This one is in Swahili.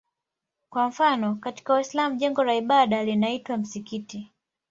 Kwa mfano katika Uislamu jengo la ibada linaitwa msikiti.